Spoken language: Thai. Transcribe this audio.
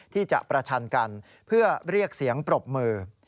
ที่จะประชันกันเพื่อเรียกเสียงปรบมือ